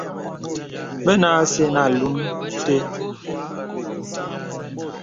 Bənə acə nə olùn té.